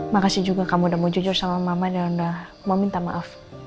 makasih juga kamu udah mau jujur sama mama dan udah mau minta maaf